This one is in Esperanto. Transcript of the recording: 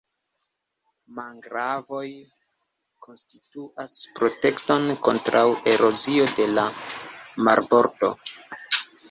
Mangrovoj konstituas protekton kontraŭ erozio de la marbordo.